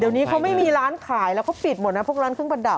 เดี๋ยวนี้เขาไม่มีร้านขายแล้วเขาปิดหมดนะพวกร้านเครื่องประดับ